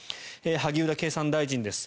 萩生田経産大臣です。